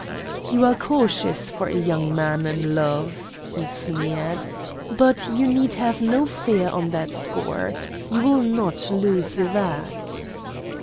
"You are cautious for a young man in love," he sneered; "but you need have no fear on that score. You will not lose that."